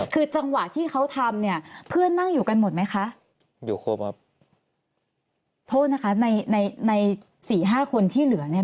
คือจังหวะที่เขาทำเนี่ยเพื่อนนั่งอยู่กันหมดไหมคะอยู่ครบครับโทษนะคะในในสี่ห้าคนที่เหลือเนี่ย